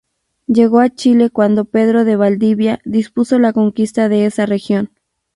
Llegó a Chile cuando Pedro de Valdivia dispuso la conquista de esa región.